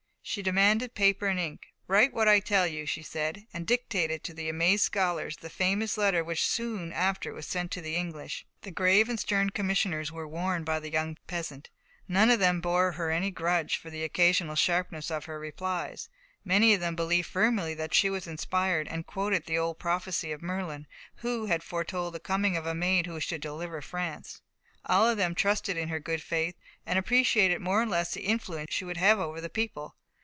She demanded paper and ink. "Write what I tell you!" she said, and dictated to the amazed scholars the famous letter which soon after was sent to the English. The grave and stern commissioners were won by the young peasant. None of them bore her any grudge for the occasional sharpness of her replies. Many of them believed firmly that she was inspired, and quoted the old prophecy of Merlin, who had foretold the coming of a maid who should deliver France. All of them trusted in her good faith, and appreciated more or less the influence she would have over the people.